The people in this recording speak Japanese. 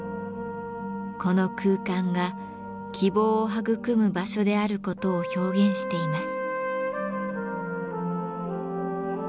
この空間が希望を育む場所であることを表現しています。